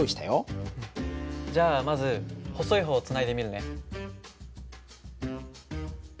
じゃあまず細い方をつないでみるね。